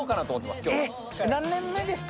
何年目ですか？